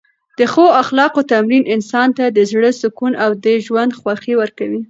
د ښو اخلاقو تمرین انسان ته د زړه سکون او د ژوند خوښۍ ورکوي.